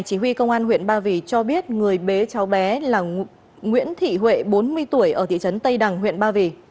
chỉ huy công an huyện ba vì cho biết người bế cháu bé là nguyễn thị huệ bốn mươi tuổi ở thị trấn tây đằng huyện ba vì